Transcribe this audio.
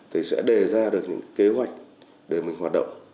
thì sẽ đề ra được những kế hoạch để mình hoạt động